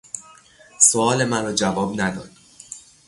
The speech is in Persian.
سؤال مرا جواب نداد.